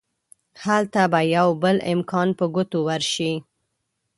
هلته به يو بل امکان په ګوتو ورشي.